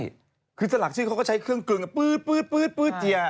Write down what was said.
คือเพราะฉะนั้นซึ้งเขาก็ใช้เครื่องเกลืองพึ๊ดเจีย